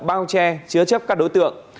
bao che chứa chấp các đối tượng